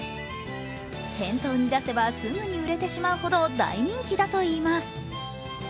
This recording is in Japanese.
店頭に出せばすぐに売れてしまうほど大人気だといいます。